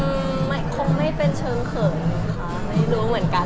คงไม่เป็นเชิงเขินค่ะไม่รู้เหมือนกัน